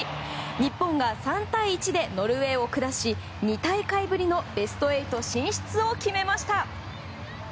日本が３対１でノルウェーを下し２大会ぶりのベスト８進出を決めました。